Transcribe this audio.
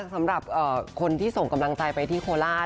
สำหรับคนที่ส่งกำลังใจไปที่โคราช